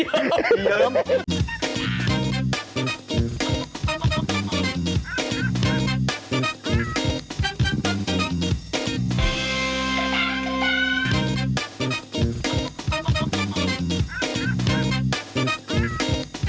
อย่าเยิ้มอย่าเยิ้มสวัสดีครับอย่าเยิ้มอย่าเยิ้ม